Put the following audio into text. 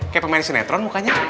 kayak pemain sinetron mukanya